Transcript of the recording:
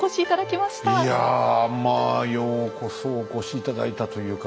いやまあようこそお越し頂いたというか。